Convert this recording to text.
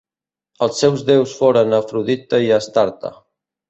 Els seus déus foren Afrodita i Astarte.